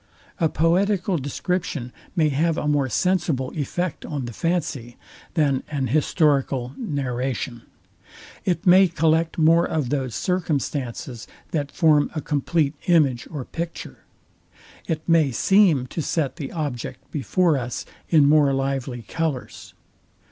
A poetical description may have a more sensible effect on the fancy, than an historical narration. It may collect more of those circumstances, that form a compleat image or picture. It may seem to set the object before us in more lively colours.